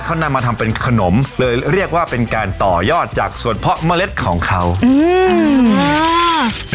เขานำมาทำเป็นขนมเลยเรียกว่าเป็นการต่อยอดจากส่วนเพาะเมล็ดของเขาอืม